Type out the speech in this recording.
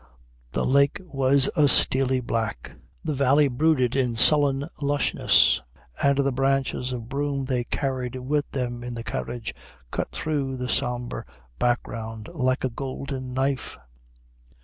The lake was a steely black. The valley brooded in sullen lushness; and the branches of broom they carried with them in the carriage cut through the sombre background like a golden knife.